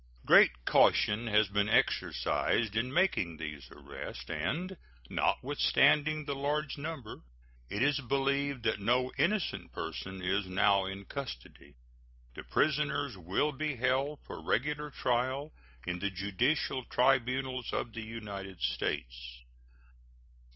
Great caution has been exercised in making these arrests, and, notwithstanding the large number, it is believed that no innocent person is now in custody. The prisoners will be held for regular trial in the judicial tribunals of the United States.